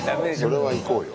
それはいこうよ。